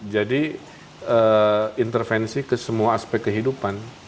jadi intervensi ke semua aspek kehidupan